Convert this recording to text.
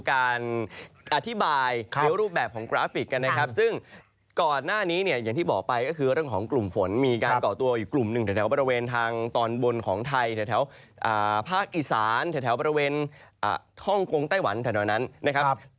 อ่ะท่องกงไต้หวันแถวนั้นนะครับ